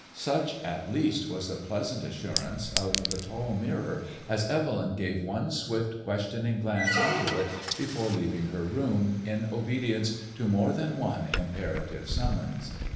Such, at least, was the pleasant assurance of the tall mirror as Evelyn gave one swift questioning glance into it before leaving her room, in obedience to more than one imperative sum mons.